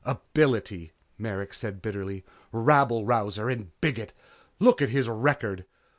"Ability," Merrick said bitterly. "Rabble rouser and bigot! Look at his record.